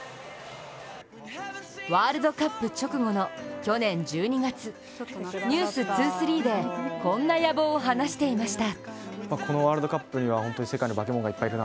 ワールドカップ直後の去年１２月、「ｎｅｗｓ２３」でこんな野望を話していました。